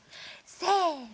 せの。